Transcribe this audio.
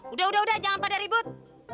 udah udah jangan pada ribut